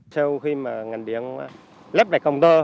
sau khi mà ngành điện lấp lại công tơ